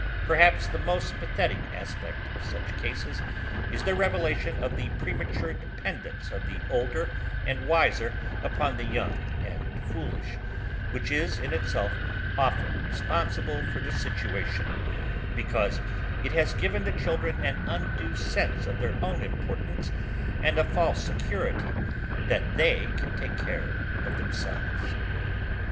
Perhaps the most pathetic aspect of such cases is their revelation of the premature dependence of the older and wiser upon the young and foolish, which is in itself often responsible for the situation because it has given the children an undue sense of their own importance and a false security that they can take care of themselves.